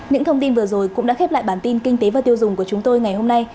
những thông tin vừa rồi cũng đã khép lại bản tin kinh tế và tiêu dùng của chúng tôi ngày hôm nay